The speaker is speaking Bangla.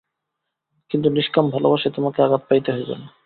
কিন্তু নিষ্কাম ভালবাসায় তোমাকে আঘাত পাইতে হইবে না।